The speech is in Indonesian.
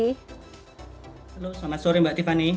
halo selamat sore mbak tiffany